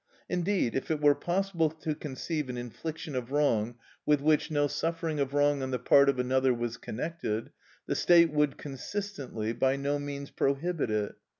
Indeed, if it were possible to conceive an infliction of wrong with which no suffering of wrong on the part of another was connected, the state would, consistently, by no means prohibit it.